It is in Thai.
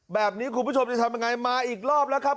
แบบนี้คุณผู้ชมจะทำยังไงมาอีกรอบแล้วครับ